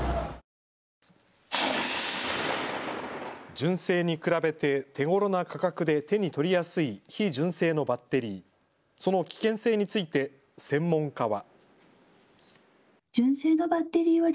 純正に比べて手ごろな価格で手に取りやすい非純正のバッテリー、その危険性について専門家は。